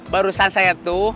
barusan saya tuh